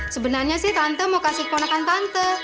sebenarnya sih tante mau kasih keponakan tante